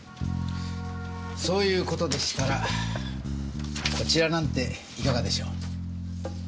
そういう事でしたらこちらなんていかがでしょう。